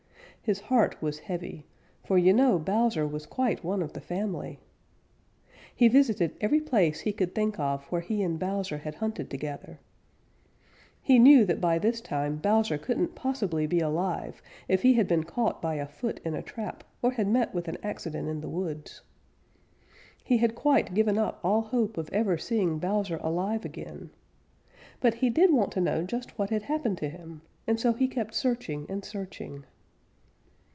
His heart was heavy, for you know Bowser was quite one of the family. He visited every place he could think of where he and Bowser had hunted together. He knew that by this time Bowser couldn't possibly be alive if he had been caught by a foot in a trap or had met with an accident in the woods. He had quite given up all hope of ever seeing Bowser alive again. But he did want to know just what had happened to him, and so he kept searching and searching.